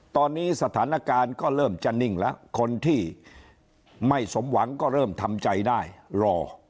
ตอนนี้สถานการณ์ก็เริ่มจะนิ่งแล้วคนที่ไม่สมหวังก็เริ่มทำใจได้รอ